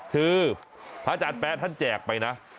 คือพระอาจารย์แป๊ะท่านแจกไปนะ